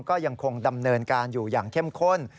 ก็ยังคงดำเนินการอยู่อย่างเข้มข้น